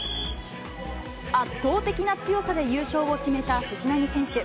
圧倒的な強さで優勝を決めた藤波選手。